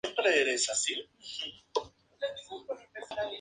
La iglesia se encuentra en los alrededores de la Piscina de Bethesda.